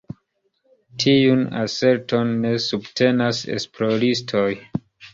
Tiun aserton ne subtenas esploristoj.